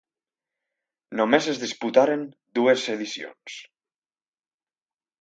Només es disputaren dues edicions.